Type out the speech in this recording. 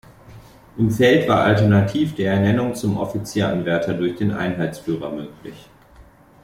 Im Feld war alternativ die Ernennung zum Offizieranwärter durch den Einheitsführer möglich.